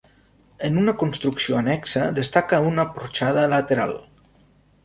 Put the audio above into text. En una construcció annexa destaca una porxada lateral.